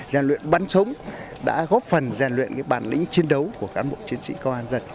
gian luyện bắn súng đã góp phần rèn luyện bản lĩnh chiến đấu của cán bộ chiến sĩ công an dân